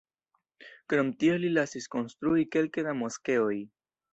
Krom tio li lasis konstrui kelke da moskeoj.